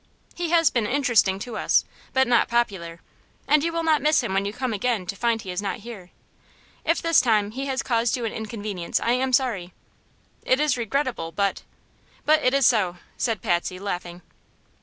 He has been interesting to us, but not popular, and you will not miss him when you come again to find he is not here. If this time he has caused you an inconvenience, I am sorry. It is regrettable, but, " "But it is so!" said Patsy, laughing.